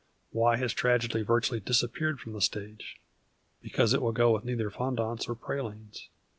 Why has tragedy virtually disap peared from the stage ? Because it will go with neither fondants nor pralines.